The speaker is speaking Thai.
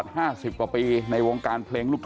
ให้พี่แต่ง